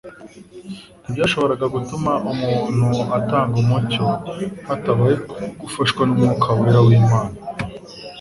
ntibyashobora gutumaumuntu atangaumucyo hatabayeho gufashwa n'Umwuka wera w'Imana.